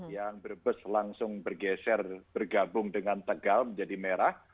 yang berbes langsung bergeser bergabung dengan tegal menjadi merah